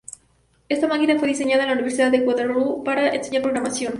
Esta máquina fue diseñada en la Universidad de Waterloo para enseñar programación.